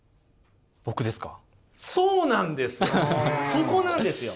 そこなんですよ！